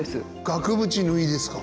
額縁縫いですか？